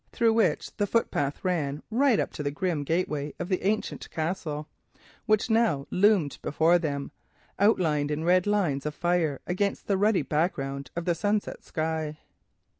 Through these the footpath ran right up to the grim gateway of the ancient Castle, which now loomed before them, outlined in red lines of fire against the ruddy background of the sunset sky.